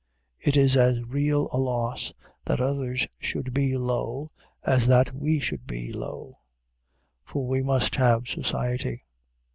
It is as real a loss that others should be low as that we should be low; for we must have society.